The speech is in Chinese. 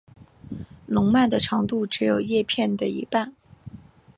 笼蔓的长度只有叶片的一半。